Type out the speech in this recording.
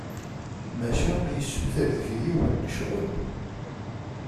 Maca yessuter deg-i yiwen n ccɣel!